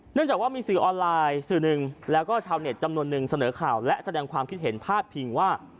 จากว่ามีสื่อออนไลน์สื่อหนึ่งแล้วก็ชาวเน็ตจำนวนหนึ่งเสนอข่าวและแสดงความคิดเห็นพาดพิงว่า